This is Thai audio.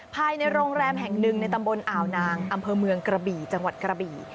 ภายในโรงแรมแห่งหนึ่งในตำบลอ่าวนางอำเภอเมืองกระบี่จังหวัดกระบี่